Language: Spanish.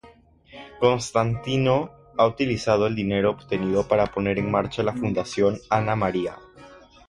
Constantino ha utilizado el dinero obtenido para poner en marcha la Fundación Ana María.